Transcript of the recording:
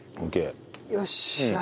よっしゃあ。